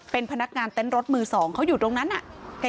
เป็นพนักงานเต้นรถมือสองเขาอยู่ตรงนั้นน่ะ